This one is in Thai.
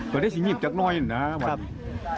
ก็ได้จะหยิบจากน้อยนะวันนี้